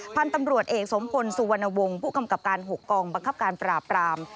พันธุ์ตำรวจเอกสมพลสุวรรณวงศ์ผู้กำกับการ๖กองบังคับการปราบราม